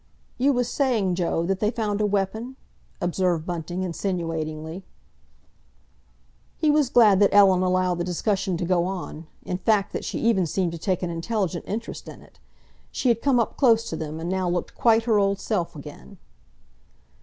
"You was saying, Joe, that they found a weapon?" observed Bunting insinuatingly. He was glad that Ellen allowed the discussion to go on—in fact, that she even seemed to take an intelligent interest in it. She had come up close to them, and now looked quite her old self again.